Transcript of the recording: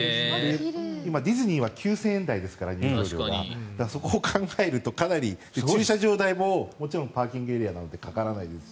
今ディズニーは入場料が９０００円台ですからそこを考えるとかなり駐車場代ももちろんパーキングエリアもかからないですし。